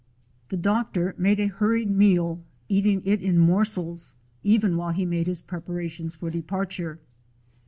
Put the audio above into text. The doctor made a hurried meal, eating it in morsels even while he made his preparations for departure.